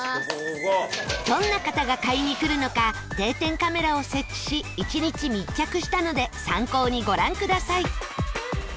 どんな方が買いに来るのか定点カメラを設置し１日密着したので参考にご覧ください